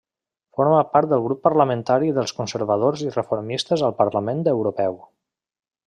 Forma part del Grup Parlamentari dels Conservadors i Reformistes al parlament europeu.